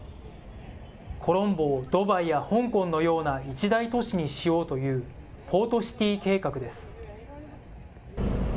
コロンボをドバイや香港のような一大都市にしようという、ポートシティー計画です。